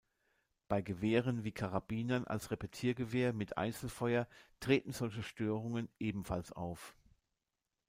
Bei Gewehren wie Karabinern als Repetiergewehr mit Einzelfeuer treten solche Störungen ebenfalls auf.